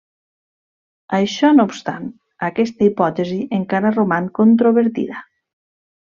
Això no obstant, aquesta hipòtesi encara roman controvertida.